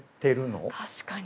確かに。